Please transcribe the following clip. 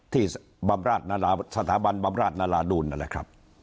ที่สถาบันบำราชนราดูลนั่นแหละครับ